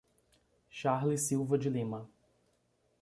Charles Silva de Lima